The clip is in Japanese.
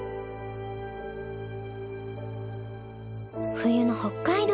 冬の北海道。